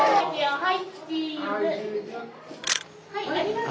はい。